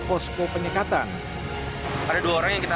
posko penyekatan ada dua orang yang kita